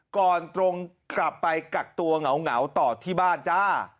ตรงกลับไปกักตัวเหงาต่อที่บ้านจ้า